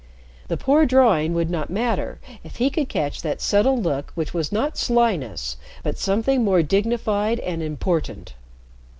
The poor drawing would not matter if he could catch that subtle look which was not slyness but something more dignified and important.